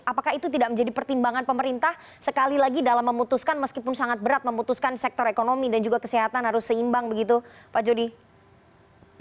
apakah itu tidak menjadi pertimbangan pemerintah sekali lagi dalam memutuskan meskipun sangat berat memutuskan sektor ekonomi dan juga kesehatan harus seimbang begitu pak jody